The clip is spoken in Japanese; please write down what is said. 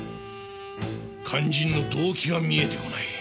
肝心の動機が見えてこない。